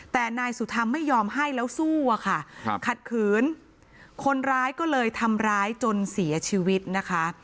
แต่นายสุธรรมไม่ยอมให้แล้วสู้อะค่ะขัดขืนคนร้ายก็เลยทำร้ายจนเสียชีวิตนะคะ